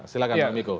silahkan pak miko